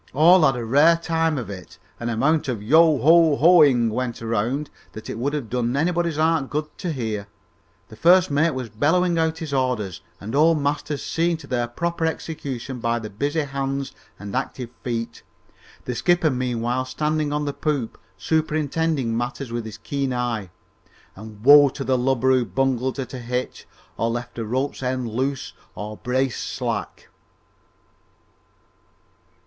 All had a rare time of it, and an amount of "yoho hoes hoing" went round that it would have done anybody's heart good to hear; the first mate was bellowing out his orders and old Masters seeing to their proper execution by the busy hands and active feet, the skipper meanwhile standing on the poop, superintending matters with his keen eye, and woe to the lubber who bungled at a hitch or left a rope's end loose or brace slack!